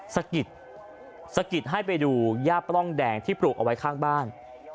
สะกิดสะกิดให้ไปดูย่าปล้องแดงที่ปลูกเอาไว้ข้างบ้าน